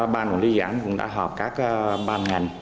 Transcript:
ban quản lý dự án cũng đã họp các ban ngành